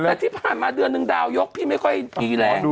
แต่ที่ผ่านมาเดือนหนึ่งดาวยกพี่ไม่ค่อยดีแรง